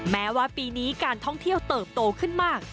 แม้ว่าปีนี้การท่องเที่ยวเติบโตขึ้นมาก